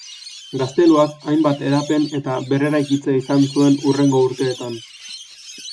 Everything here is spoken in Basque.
Gazteluak hainbat hedapen eta berreraikitze izan zuen hurrengo urteetan.